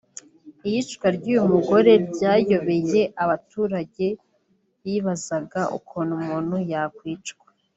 Iyicwa ry’uyu mugore ryayobeye abaturage bibazaga ukuntu umuntu yakwicwa